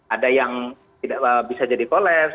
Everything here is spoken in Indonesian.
ada yang tidak bisa jadi koles